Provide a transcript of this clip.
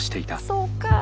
そうか。